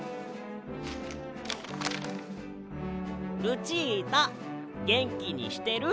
「ルチータげんきにしてる？